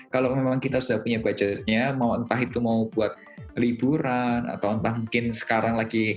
kalau memang kita sudah punya budgetnya mau entah itu mau buat liburan atau entah mungkin sekarang lagi